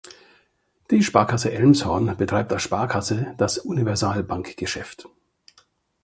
Die Sparkasse Elmshorn betreibt als Sparkasse das Universalbankgeschäft.